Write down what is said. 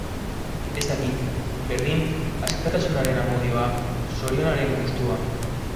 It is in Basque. Ez dakit, berdin askatasunaren amodioa, zorionaren gustua.